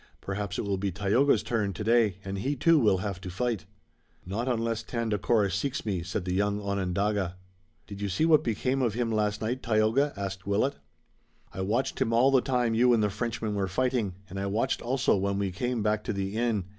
Perhaps it will be Tayoga's turn today, and he too will have to fight." "Not unless Tandakora seeks me," said the young Onondaga. "Did you see what became of him last night, Tayoga?" asked Willet. "I watched him all the time you and the Frenchman were fighting, and I watched also when we came back to the inn.